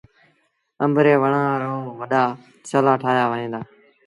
آݩب ري وڻآݩ رآوڏآ چلآ ٺآهيآ وهيݩ دآ۔